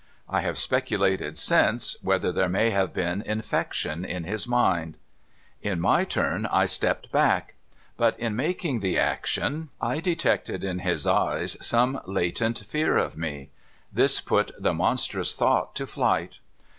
I have speculated since, whether there may have been infection in his mind. In my turn, I stepped back. But in making the action, I detected tj/ie j/ea?i<^ii ^/^an. A RESPONSIBLE POSITION ^5g in his eyes some latent fear of me. This put the monstrous thou<'ht to flight.